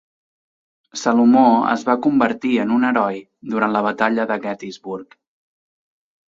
Salomó es va convertir en un heroi durant la batalla de Gettysburg.